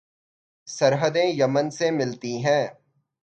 سرحدیں Yemen سے ملتی ہیں